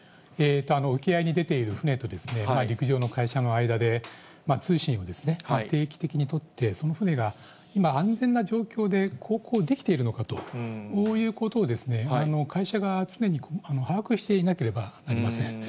沖合に出ている船と、陸上の会社の間で、通信を定期的に取って、その船が今、安全な状況で航行できているのかということを、会社側が常に把握していなければなりません。